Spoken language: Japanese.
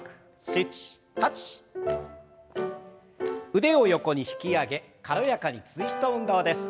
腕を横に引き上げ軽やかにツイスト運動です。